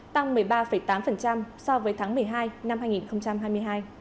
tăng một mươi ba tám so với tháng một mươi hai năm hai nghìn hai mươi hai